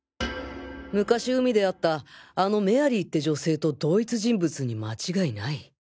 昔海で会ったあのメアリーって女性と同一人物に間違いない！